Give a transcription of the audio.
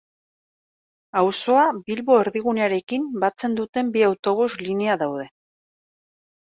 Auzoa Bilbo erdigunearekin batzen duten bi autobus linea daude.